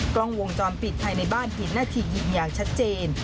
กล้องวงจรปิดในบ้านผิดหน้าที่หยิบอย่างชัดเจน